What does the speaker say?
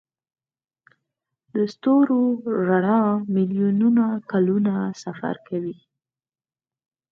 د ستورو رڼا میلیونونه کلونه سفر کوي.